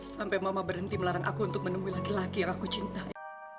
sampai mama berhenti melarang aku untuk menemui laki laki yang aku cintai